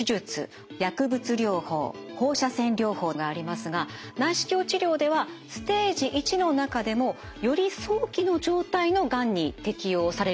薬物療法放射線療法がありますが内視鏡治療ではステージⅠの中でもより早期の状態のがんに適応されるんです。